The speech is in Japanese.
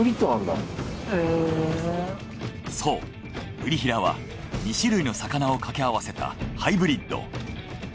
そうブリヒラは２種類の魚をかけ合わせたハイブリッド。